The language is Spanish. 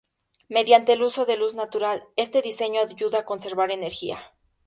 Mediante el uso de luz natural, este diseño ayuda a conservar energía.